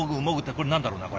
これ何だろうなこれ。